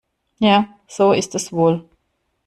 Ja, so ist es wohl.